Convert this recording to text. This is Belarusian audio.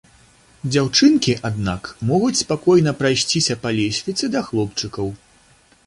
Дзяўчынкі, аднак, могуць спакойна прайсціся па лесвіцы да хлопчыкаў.